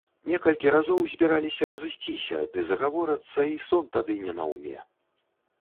Некалькі разоў збіраліся разысціся, ды загаворацца, й сон тады не наўме.